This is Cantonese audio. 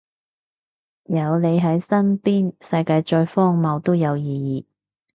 有你喺身邊，世界再荒謬都有意義